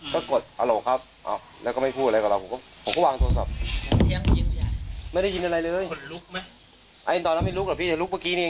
ช็อคเลยหรอ